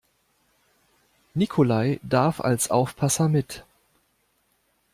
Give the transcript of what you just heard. Nikolai darf als Aufpasser mit.